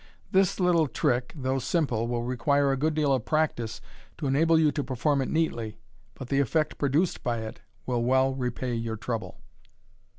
This little trick, though simple, will require a good deal of practice to enable you to perform it neatly, but the effect produced by it will well repay your trouble.